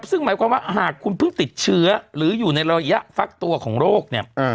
ซึ่งหมายความว่าหากคุณเพิ่งติดเชื้อหรืออยู่ในระยะฟักตัวของโรคเนี่ย